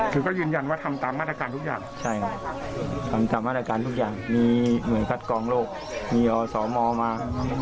คือก็ยืนยันว่าทำตามมาตรการทุกอย่างใช่ครับทำตามมาตรการทุกอย่างมีหน่วยคัดกองโลกมีอสมมา